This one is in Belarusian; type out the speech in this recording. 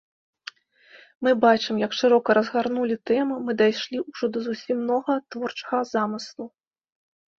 Мы бачым, як шырока разгарнулі тэму, мы дайшлі ўжо да зусім новага творчага замыслу.